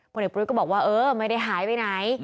ผู้เนกปรุยก็บอกว่าเออไม่ได้หายไปไหน